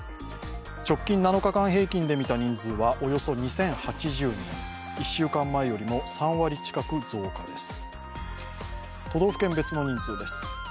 直近７日間平均で見た人数はおよそ２０８０人、１週間前よりも３割近く増加です。